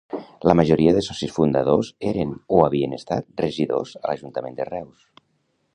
La majoria de socis fundadors eren, o havien estat, regidors a l'ajuntament de Reus.